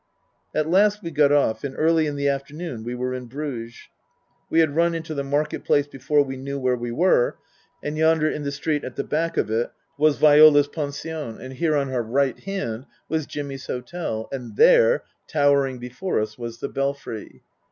At last we got off, and early in the afternoon we were in Bruges. We had run into the Market Place before we knew where we were ; and yonder in the street at the back of it was Viola's pension, and here on our right hand was Jimmy's hotel, and there, towering before us, was the Belfry.